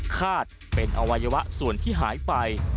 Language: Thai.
คาดเป็นอวัยวะส่วนที่หายไป